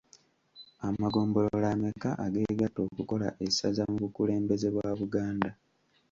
Amagombolola ameka ageegatta okukola essaza mu bukulembeze bwa Buganda?